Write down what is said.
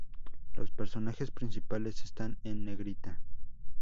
Los personajes principales están en negrita.